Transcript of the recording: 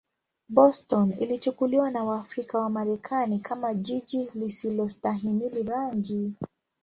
Boston ilichukuliwa na Waafrika-Wamarekani kama jiji lisilostahimili rangi.